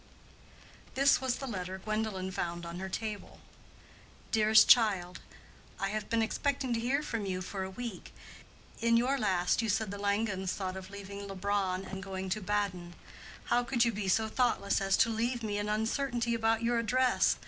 This was the letter Gwendolen found on her table: DEAREST CHILD.—I have been expecting to hear from you for a week. In your last you said the Langens thought of leaving Leubronn and going to Baden. How could you be so thoughtless as to leave me in uncertainty about your address?